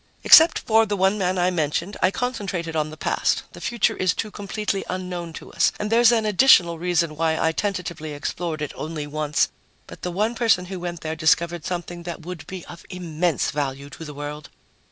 "Except for the one man I mentioned, I concentrated on the past the future is too completely unknown to us. And there's an additional reason why I tentatively explored it only once. But the one person who went there discovered something that would be of immense value to the world."